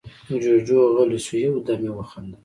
جُوجُو غلی شو، يو دم يې وخندل: